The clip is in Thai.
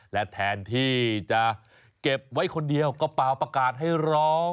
และแทนที่จะเก็บไว้คนเดียวกระเป๋าประกาศให้ร้อง